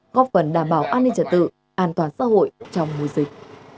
góp phần đảm bảo an ninh trật tự an toàn xã hội trong mùa dịch